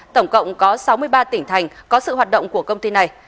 tổng cộng có sáu mươi ba tỉnh thành có sự hoạt động của công ty này